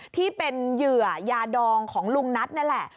ที่เป็นเหยื่อยาดองของลุงนัทนั่นแหละ